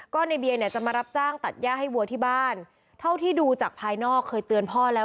ก็ในเบียร์เนี่ยจะมารับจ้างตัดย่าให้วัวที่บ้านเท่าที่ดูจากภายนอกเคยเตือนพ่อแล้ว